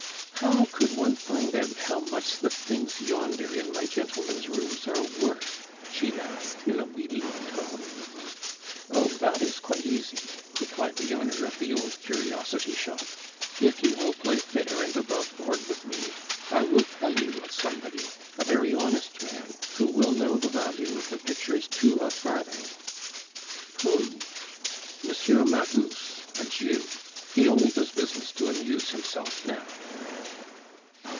"How could one find out how much the things yonder in my gentlemen's rooms are worth?" she asked in a wheedling tone. "Oh! that is quite easy," replied the owner of the old curiosity shop. "If you will play fair and above board with me, I will tell you of somebody, a very honest man, who will know the value of the pictures to a farthing " "Who?" "M. Magus, a Jew. He only does business to amuse himself now."